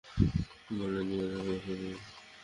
বললেন, ইয়া রাসূলাল্লাহ!